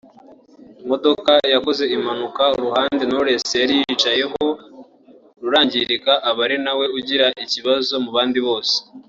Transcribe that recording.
imodoka zakoze impanuka uruhande Knowless yari yicayeho rurangirika aba ari nawe ugira ikibazo mu bandi bose